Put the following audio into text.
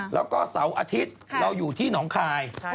แล้วก็เสาร์อาทิตย์เราอยู่ที่หนองคาย